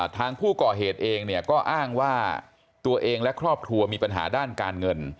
ทางผู้ก่อเหตุเองเนี่ยก็อ้างว่าตัวเองและครอบครัวมีปัญหาด้านการเงิน